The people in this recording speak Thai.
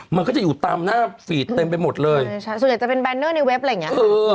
มันก็จะอยู่ตามหน้าฟีดเต็มไปหมดเลยใช่ใช่ส่วนใหญ่จะเป็นแรนเนอร์ในเว็บอะไรอย่างเงี้ย